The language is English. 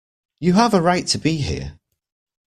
You have a right to be here.